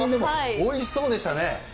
おいしそうでしたね。